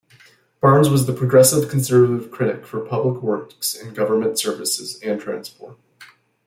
Barnes was the Progressive Conservative critic for Public Works and Government Services, and Transport.